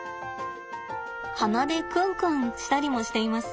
鼻でクンクンしたりもしています。